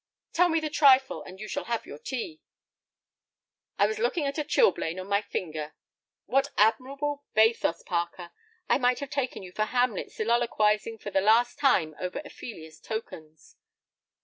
"Tell me the trifle, and you shall have your tea." "I was looking at a chilblain on my finger." "What admirable bathos, Parker! I might have taken you for Hamlet soliloquizing for the last time over Ophelia's tokens."